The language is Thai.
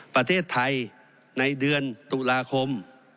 ประเทศไทยในเดือนตุลาคม